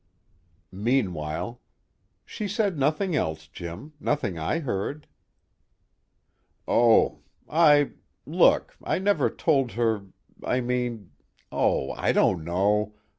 _ Meanwhile "She said nothing else, Jim, nothing I heard." "Oh. I look, I never told her I mean oh, I don't know.